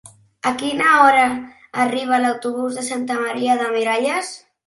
A quina hora arriba l'autobús de Santa Maria de Miralles?